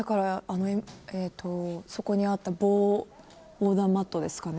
そこにあった防弾マットですかね